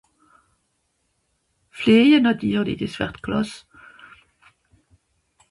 fleje nàtirli des wert klàss